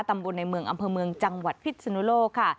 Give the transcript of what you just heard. ตำบลในเมืองอำเภอเมืองจังหวัดพิษนุโลกค่ะ